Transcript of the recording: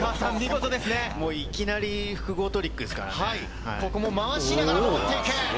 いきなり複合トリックですかここも回しながらもっていく。